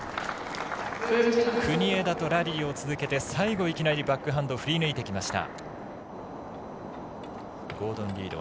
国枝とラリーを続けて最後、いきなりバックハンド振りぬいてきました。